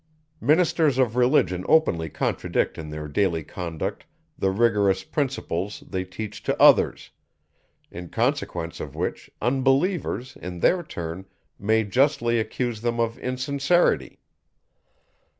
Ministers of Religion openly contradict in their daily conduct the rigorous principles, they teach to others; in consequence of which, unbelievers, in their turn, may justly accuse them of insincerity.